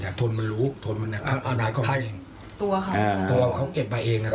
อย่าทนมันรู้ทนมันเนี้ยเอาไหนก็เอาเองตัวเขาตัวเขาเอ็ดไปเองน่ะ